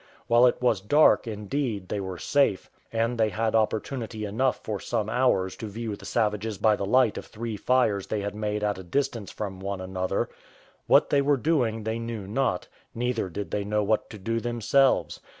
While it was dark, indeed, they were safe, and they had opportunity enough for some hours to view the savages by the light of three fires they had made at a distance from one another; what they were doing they knew not, neither did they know what to do themselves.